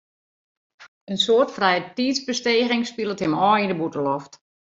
In soad frijetiidsbesteging spilet him ôf yn de bûtenloft.